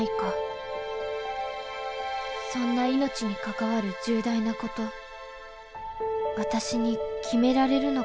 そんな命に関わる重大なこと私に決められるのかな。